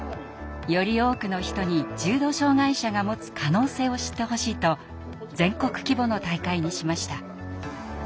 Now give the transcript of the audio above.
より多くの人に重度障害者が持つ可能性を知ってほしいと全国規模の大会にしました。